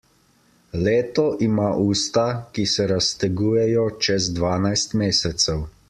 Leto ima usta, ki se raztegujejo čez dvanajst mesecev.